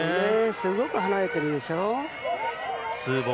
すごく離れてるでしょ。